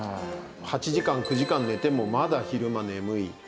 ８時間９時間寝てもまだ昼間眠い。